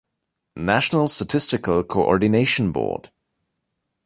National Statistical Coordination Board